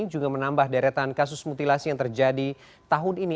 juga menambah deretan kasus mutilasi yang terjadi tahun ini